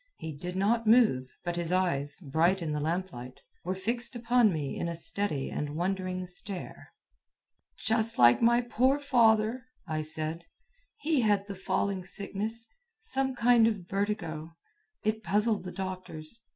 He did not move, but his eyes, bright in the lamplight, were fixed upon me in a steady and wondering stare. "Just like my poor father," I said. "He had the falling sickness. Some kind of vertigo. It puzzled the doctors.